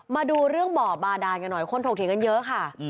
มาดูเรื่องบ่อบาดานกันหน่อยคนถกเถียงกันเยอะค่ะ